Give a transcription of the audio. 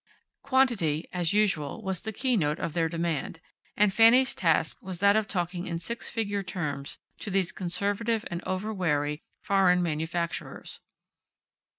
Quantity, as usual, was the keynote of their demand, and Fanny's task was that of talking in six figure terms to these conservative and over wary foreign manufacturers.